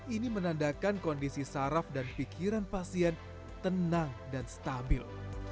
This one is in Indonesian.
ini menandakan kondisi saraf dan pikiran pasien tenang dan stabil